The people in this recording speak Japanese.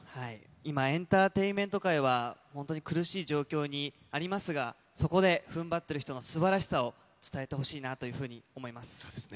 今、エンターテインメント界は本当に苦しい状況にありますが、そこでふんばってる人のすばらしさを伝えてほしいなというふうにそうですね。